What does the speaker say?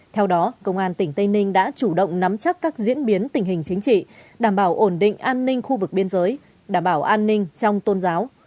theo đó công an tỉnh tây ninh đã chủ động nắm chắc các diễn biến tình hình chính trị đảm bảo ổn định an ninh khu vực biên giới đảm bảo an ninh trong tôn giáo